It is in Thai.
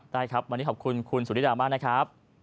ได้ครับวันนี้ขอบคุณคุณสุธิดามากนะครับ